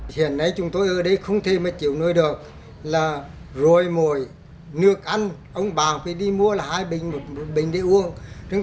hiện nay chúng tôi ở đây không thể mà chịu nuôi được rồi mùi nước ăn ông bà phải đi mua hai bình một bình để uống